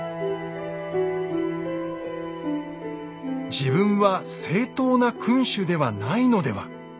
自分は正統な君主ではないのでは。